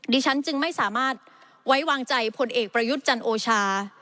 ฉันจึงไม่สามารถไว้วางใจพลเอกประยุทธ์จันโอชา